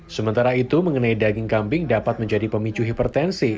sementara itu mengenai daging kambing dapat menjadi pemicu hipertensi